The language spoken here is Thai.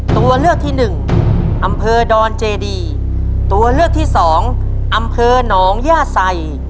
ตัวเลือกที่หนึ่งอำเภอดอนเจดีตัวเลือกที่สองอำเภอหนองย่าใส่